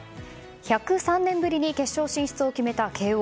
１０３年ぶりに決勝進出を決めた慶応。